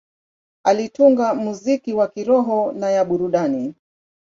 Alitunga muziki ya kiroho na ya burudani.